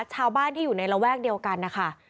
ชาวบ้านที่อยู่ในระแวกเดียวกันนะคะ